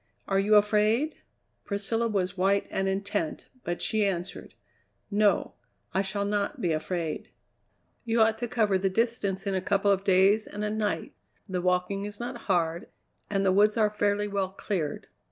Are you afraid?" Priscilla was white and intent, but she answered: "No, I shall not be afraid." "You ought to cover the distance in a couple of days and a night; the walking is not hard, and the woods are fairly well cleared.